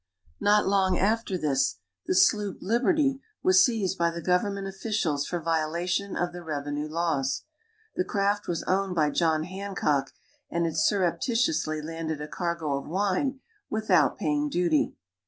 Not long after this, the sloop "Liberty" was seized by the government officials for violation of the revenue laws. The craft was owned by John Hancock and had surreptitiously landed a cargo of wine without paying duty.